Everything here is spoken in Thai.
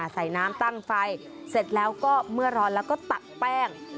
ใส่น้ำตั้งไฟเสร็จแล้วก็เมื่อร้อนแล้วก็ตักแป้ง